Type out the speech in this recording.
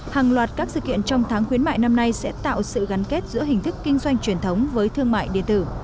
hàng loạt các sự kiện trong tháng khuyến mại năm nay sẽ tạo sự gắn kết giữa hình thức kinh doanh truyền thống với thương mại điện tử